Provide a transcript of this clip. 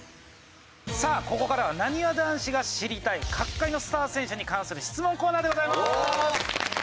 さあここからはなにわ男子が知りたい各界のスター選手に関する質問コーナーでございます！